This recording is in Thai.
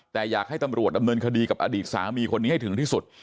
แต่อยากให้ตำรวจดำเนินคดีกับอดีตสามีคนนี้ให้ถึงที่สุด